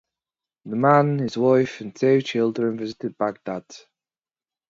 The man, his wife, and two children visited Baghdad.